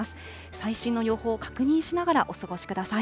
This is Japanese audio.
最新の予報を確認しながらお過ごしください。